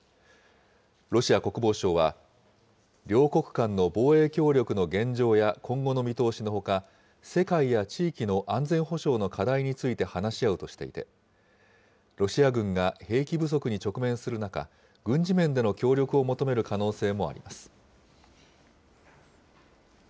ロシア国防省は、両国間の防衛協力の現状や今後の見通しのほか、世界や地域の安全保障の課題について話し合うとしていて、ロシア軍が兵器不足に直面する中、軍事面での協力を求める可能性もあります。